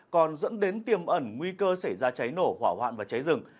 còn dẫn đến tiềm ẩn nguy cơ xảy ra cháy nổ hỏa hoạn và cháy rừng